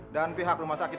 dan pihak rumah sakit